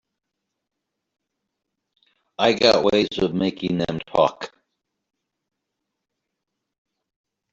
I got ways of making them talk.